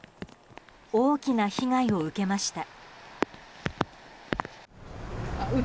大きな被害を受けました。